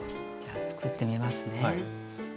じゃあつくってみますね。